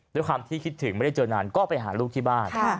ด้วยความที่คิดถึงไม่ได้เจอนานก็ไปหาลูกที่บ้าน